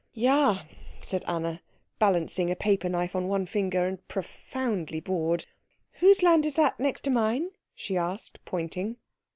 "Ja," said Anna, balancing a paper knife on one finger, and profoundly bored. "Whose land is that next to mine?" she asked, pointing.